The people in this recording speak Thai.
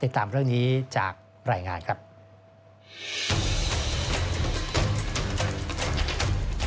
ติดตามการแบบนี้จากข้อมูลเรียนรวมล่าง